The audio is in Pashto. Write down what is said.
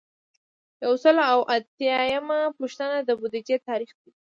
یو سل او اتیایمه پوښتنه د بودیجې تاریخچه ده.